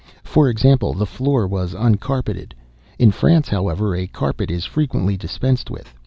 For example, the floor was uncarpeted; in France, however, a carpet is frequently dispensed with.